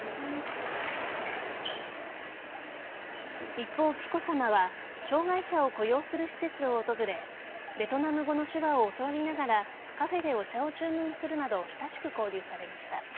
一方、紀子さまは障害者を雇用する施設を訪れベトナム語の手話を教わりながらカフェでお茶を注文するなど親しく交流されました。